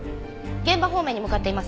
現場方面に向かっています。